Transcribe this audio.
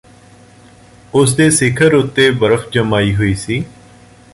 ਉਸ ਦੇ ਸਿਖਰ ਉਤੇ ਬਰਫ਼ ਜਮਾਈ ਹੋਈ ਸੀ